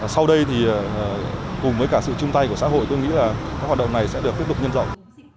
sau đây thì cùng với cả sự chung tay của xã hội tôi nghĩ là các hoạt động này sẽ được tiếp tục nhân rộng